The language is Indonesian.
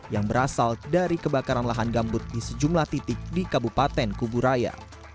yang berasal dari kebakaran lahan gambut di sejumlah titik di kabupaten kuburaya